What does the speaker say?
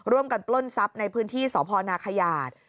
ร่วมกันปลรับในพื้นที่สพหนาขญาจ